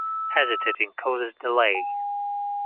Hesitating causes delay.